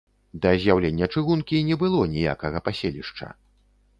Да з'яўлення чыгункі не было ніякага паселішча.